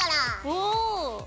おお！